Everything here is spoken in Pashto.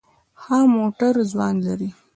ښه مټور ځوان دی.